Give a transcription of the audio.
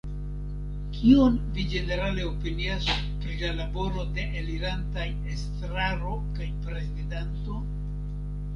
Kion vi ĝenerale opinias pri lal aboro de la elirantaj estraro kaj prezidanto?